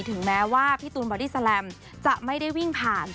ถึงแม้ว่าพี่ตูนบอดี้แลมจะไม่ได้วิ่งผ่าน